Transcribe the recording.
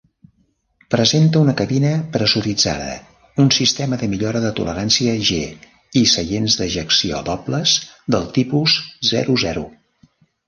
Presenta una cabina pressuritzada, un sistema de millora de tolerància G i seients d'ejecció dobles del tipus zero-zero.